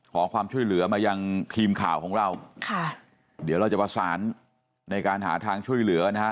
ขอความช่วยเหลือมายังทีมข่าวของเราค่ะเดี๋ยวเราจะประสานในการหาทางช่วยเหลือนะฮะ